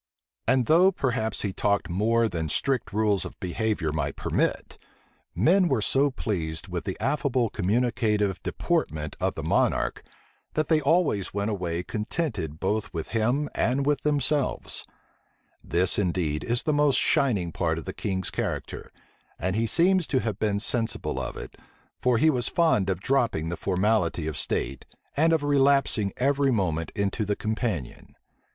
And though, perhaps, he talked more than strict rules of behavior might permit, men were so pleased with the affable communicative deportment of the monarch that they always went away contented both with him and with themselves. * Marquis of Halifax. This, indeed, is the most shining part of the king's character; and he seems to have been sensible of it; for he was fond of dropping the formality of state, and of relapsing every moment into the companion.